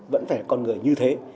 vẫn phải là con người như thế